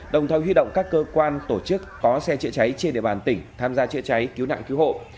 đồng thời huy động các cơ quan tổ chức có xe chữa cháy trên địa bàn tỉnh tham gia chữa cháy cứu nạn cứu hộ